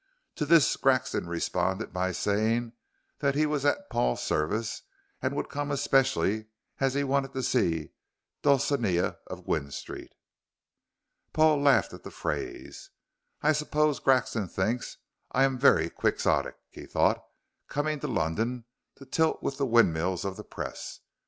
To this Grexon responded by saying that he was at Paul's service and would come especially as he wanted to see Dulcinea of Gwynne Street. Paul laughed at the phrase. "I suppose Grexon thinks I am very Quixotic," he thought, "coming to London to tilt with the windmills of the Press.